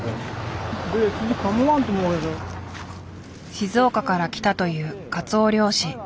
静岡から来たというカツオ漁師。